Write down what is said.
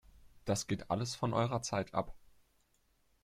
Das geht alles von eurer Zeit ab!